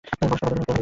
পড়াশুনা কতদূর করেছ?